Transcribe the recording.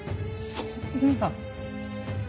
そんな。